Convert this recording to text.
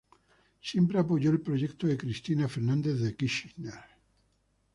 Siempre apoyó el proyecto de Cristina Fernández de Kirchner.